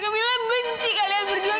kamila benci kalian berdua